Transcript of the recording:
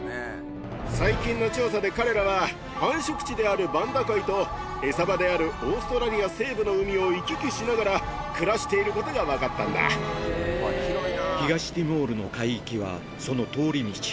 最近の調査で彼らは、繁殖地であるバンダ海と、餌場であるオーストラリア西部の海を行き来しながら、東ティモールの海域はその通り道。